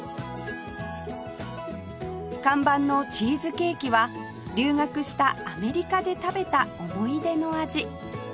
看板のチーズケーキは留学したアメリカで食べた思い出の味